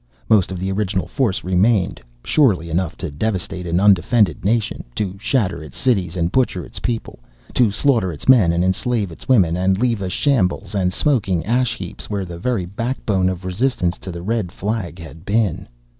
Most of the original force remained; surely enough to devastate an undefended nation, to shatter its cities and butcher its people; to slaughter its men and enslave its women and leave a shambles and smoking ash heaps where the very backbone of resistance to the red flag had been.